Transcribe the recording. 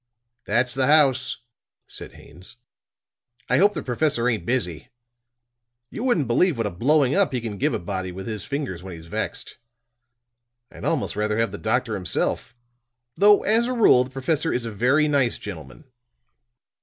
"That's the house," said Haines. "I hope the professor ain't busy; you wouldn't believe what a blowing up he can give a body with his fingers when he's vexed. I'd almost rather have the doctor himself; though, as a rule, the professor is a very nice gentleman."